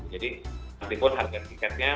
jadi apapun harga tiketnya